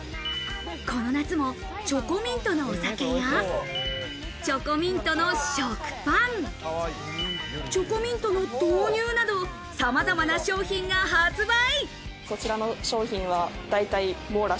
この夏もチョコミントのお酒やチョコミントの食パン、チョコミントの豆乳など、さまざまな商品が発売。